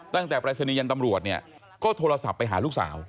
ตั้งแต่ปรัสนิยันตำรวจเนี่ยก็โทรศัพท์ไปหาลูกสาว